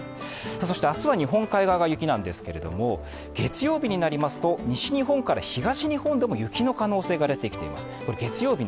明日は日本海側が雪なんですけれども、月曜日になりますと西日本から東日本でも雪の可能性が出てきています。